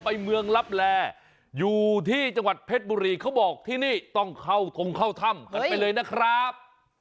เมืองลับแลอยู่ที่จังหวัดเพชรบุรีเขาบอกที่นี่ต้องเข้าทงเข้าถ้ำกันไปเลยนะครับ